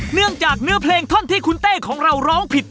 เนื่องจากเนื้อเพลงท่อนที่คุณเต้ของเราร้องผิด